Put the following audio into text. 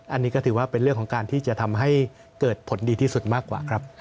อันนี้ก็ถือว่าเป็นเรื่องของการที่จะทำให้เกิดผลดีที่สุดมากกว่าครับ